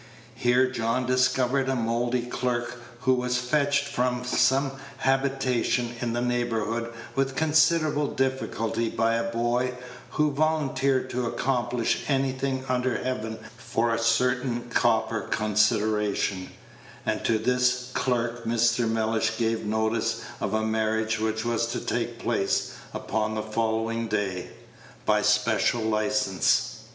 Here John discovered a mouldy clerk, who was fetched from some habitation in the neighborhood with considerable difficulty by a boy, who volunteered to accomplish anything under heaven for a certain copper consideration; and to this clerk Mr. Mellish gave notice of a marriage which was to take place upon the following day, by special license.